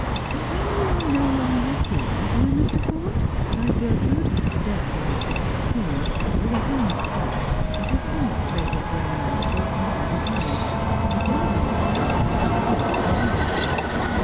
" When you are no longer here, dear Mr. Forde !" cried Gertrude, deaf to her sister's sneers, with her hands clasped, and her somewhat faded gray eyes opened very wide, and gazing at the Curate with a wild surmise.